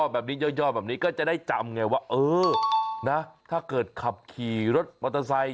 แบบนี้ย่อแบบนี้ก็จะได้จำไงว่าเออนะถ้าเกิดขับขี่รถมอเตอร์ไซค์